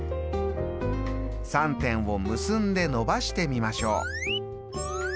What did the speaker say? ３点を結んで延ばしてみましょう。